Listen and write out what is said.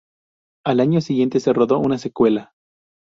Al año siguiente se rodó una secuela.